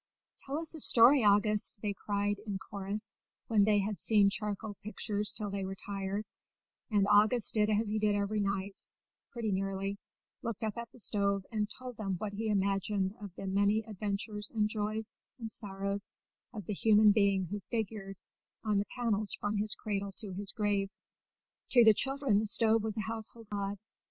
"Tell us a story, August," they cried, in chorus, when they had seen charcoal pictures till they were tired; and August did as he did every night, pretty nearly, looked up at the stove and told them what he imagined of the many adventures and joys and sorrows of the human being who figured on the panels from his cradle to his grave. To the children the stove was a household god.